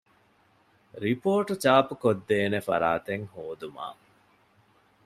ރިޕޯޓު ޗާޕުކޮށްދޭނެ ފަރާތެއް ހޯދުމަށް